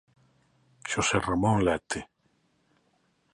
Xosé Ramón Lete.